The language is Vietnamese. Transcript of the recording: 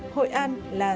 hội an là dân